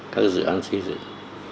các dự án xây dựng